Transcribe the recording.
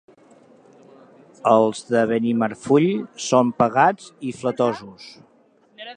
Els de Benimarfull són pagats i flatosos.